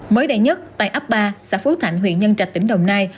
mới đây nhất tại ấp ba xã phú thạnh huyện nhân trạch tỉnh đồng nai